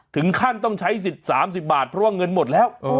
ถึงขั้นต้องใช้สิทธิ์๓๐บาทเพราะว่าเงินหมดแล้ว